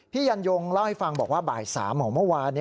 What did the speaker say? พี่ยันยมเล่าให้ฟังบอกว่าใบอาจารย์สามของเมื่อวาน